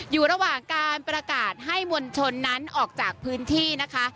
อยู่ระหว่างการประกาศให้มวลชนนั้นออกจากพื้นที่นะคะ